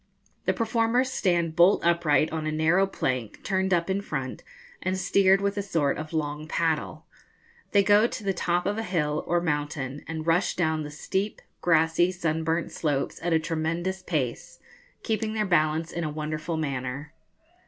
The performers stand bolt upright on a narrow plank, turned up in front, and steered with a sort of long paddle. They go to the top of a hill or mountain, and rush down the steep, grassy, sunburnt slopes at a tremendous pace, keeping their balance in a wonderful manner.